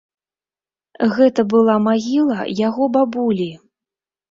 Гэта была магіла яго бабулі.